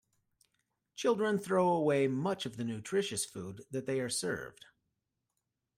Children throw away much of the nutritious food that they are served.